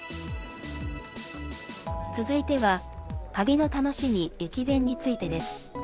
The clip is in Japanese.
続いては、旅の楽しみ駅弁についてです。